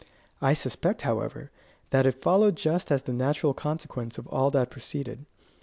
I suspect, however, that it followed just as the natural consequence of all that preceded.